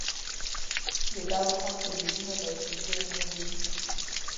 ددغو خلکو دودونه له یوسفزو نه بېل دي.